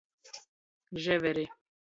Ževeri.